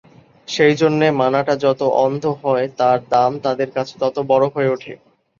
সেইজন্যে মানাটা যত অন্ধ হয় তার দাম তাদের কাছে তত বড়ো হয়ে ওঠে।